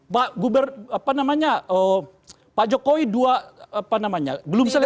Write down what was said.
pak gubernur apa namanya pak jokowi dua apa namanya belum selesai